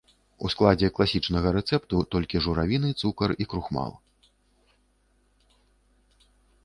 У складзе класічнага рэцэпту толькі журавіны, цукар і крухмал.